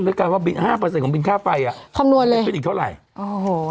ด้วยกันว่าบินห้าเปอร์เซ็นของบินค่าไฟอ่ะคำนวณเลยบินอีกเท่าไหร่โอ้โห